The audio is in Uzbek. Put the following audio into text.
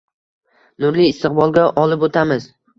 Nurli istiqbolga olib o’tamiz.